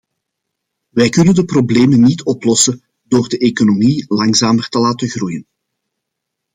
Wij kunnen de problemen niet oplossen door de economie langzamer te laten groeien.